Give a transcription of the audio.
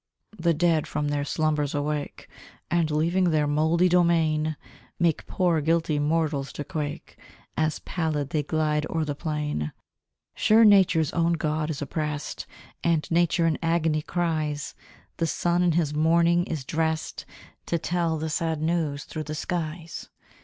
The dead from their slumbers awake, And, leaving their mouldy domain, Make poor guilty mortals to quake As pallid they glide o'er the plain! Sure, Nature's own God is oppressed, And Nature in agony cries; The sun in his mourning is dressed, To tell the sad news through the skies!